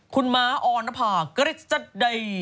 คุณม้าออนภากริสต์เตย